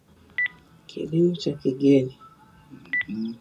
Kilimo cha Kigeni